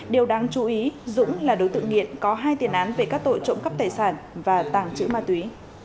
điều đáng chú ý dũng là đối tượng nghiện có hai tiền án về các tội trộm cắp tài sản và tàng trữ ma túy